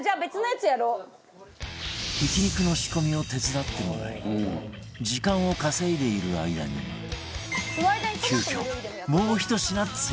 ひき肉の仕込みを手伝ってもらい時間を稼いでいる間に急遽もう１品追加